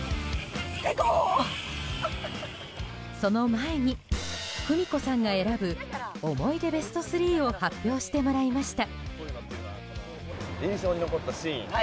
その前に、久美子さんが選ぶ思い出ベスト３を発表してもらいました。